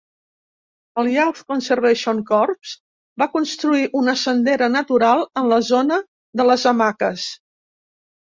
El Youth Conservation Corps va construir una sendera natural en la zona de les hamaques.